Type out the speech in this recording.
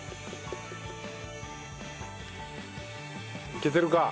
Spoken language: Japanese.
いけてるか？